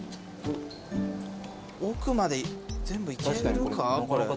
奥まで全部いけるか？